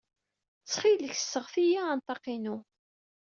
Ttxil-k, sseɣti-iyi anṭaq-inu.